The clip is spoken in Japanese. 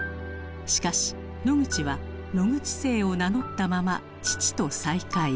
しかしノグチは野口姓を名乗ったまま父と再会。